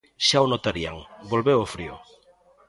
Xa o notarían, volveu o frío.